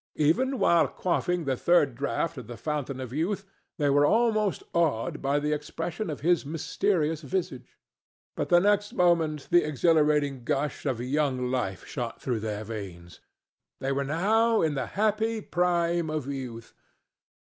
Even while quaffing the third draught of the Fountain of Youth, they were almost awed by the expression of his mysterious visage. But the next moment the exhilarating gush of young life shot through their veins. They were now in the happy prime of youth.